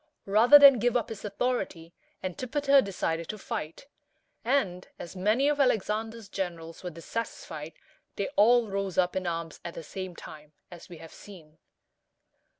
Rather than give up his authority, Antipater decided to fight; and, as many of Alexander's generals were dissatisfied, they all rose up in arms at the same time, as we have seen.